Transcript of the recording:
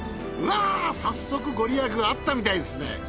うわぁ早速ご利益あったみたいですね。